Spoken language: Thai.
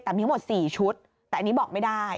แต่มีทั้งหมด๔ชุดแต่อันนี้บอกไม่ได้